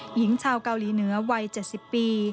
หญิงชาวเกาหลีเหนือวัย๗๐ปี